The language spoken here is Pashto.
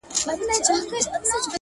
کلونه پس چي درته راغلمه. ته هغه وې خو؛.